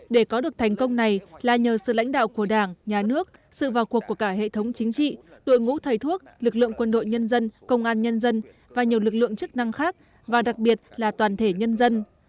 để có được thành công này là nhờ sự lãnh đạo của đảng nhà nước sự vào cuộc của cả hệ thống chính trị đội ngũ thầy thuốc lực lượng quân đội nhân dân công an nhân dân và nhiều lực lượng chức năng khác và đặc biệt là toàn thể nhân dân